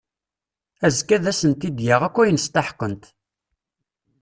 Azekka ad asent-d-yaɣ akk ayen steḥqent.